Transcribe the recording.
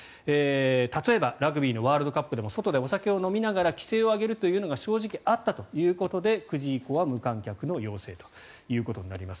例えば、ラグビーのワールドカップでも外でお酒を飲みながら奇声を上げるというのが正直あったということで９時以降は無観客の要請ということになります。